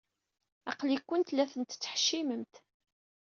Aql-ikent la ten-tettḥeccimemt.